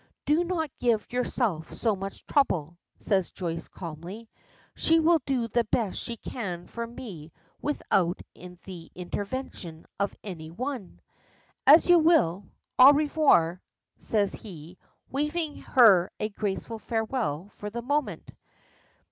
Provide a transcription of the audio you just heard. Do not give yourself so much trouble," says Joyce calmly. "She will do the best she can for me without the intervention of any one." "As you will, au revoir!" says he, waving her a graceful farewell for the moment.